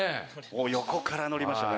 おっ横から乗りましたね。